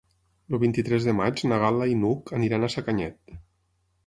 El vint-i-tres de maig na Gal·la i n'Hug aniran a Sacanyet.